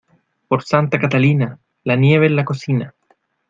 Por Santa Catalina, la nieve en la cocina.